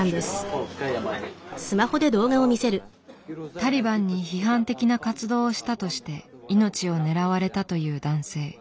タリバンに批判的な活動をしたとして命を狙われたという男性。